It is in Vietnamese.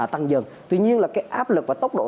tăng dần tuy nhiên là cái áp lực và tốc độ